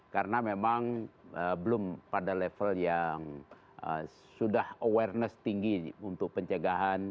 karena memang belum pada level yang sudah awareness tinggi untuk pencegahan